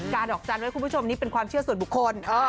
ดอกจันทร์ไว้คุณผู้ชมนี่เป็นความเชื่อส่วนบุคคล